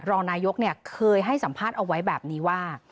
รองนายกเคยให้สัมภาษณ์เอาไว้แบบนี้ว่า